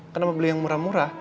kenapa beli yang murah murah